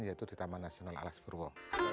yaitu di taman nasional alas purwo